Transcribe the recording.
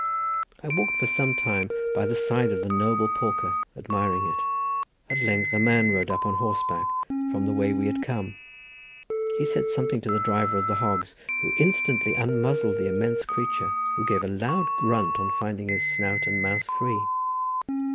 I walked for some time by the side of the noble porker, admiring it. At length a man rode up on horseback from the way we had come; he said something to the driver of the hogs, who instantly unmuzzled the immense creature, who gave a loud grunt on finding his snout and mouth free.